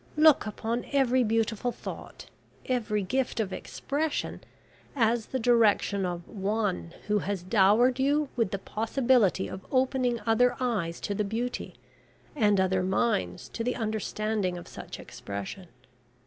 Look upon every beautiful thought, every gift of expression, as the direction of One who has dowered you with the possibility of opening other eyes to the beauty, and other minds to the understanding of such expression.